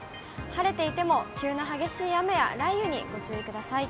晴れていても、急な激しい雨や雷雨にご注意ください。